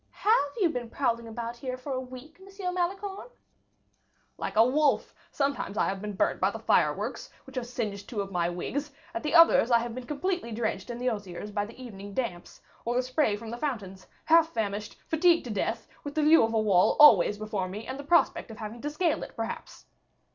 "Have you been prowling about here for a week, M. Malicorne?" "Like a wolf; sometimes I have been burnt by the fireworks, which have singed two of my wigs; at others, I have been completely drenched in the osiers by the evening damps, or the spray from the fountains, half famished, fatigued to death, with the view of a wall always before me, and the prospect of having to scale it perhaps.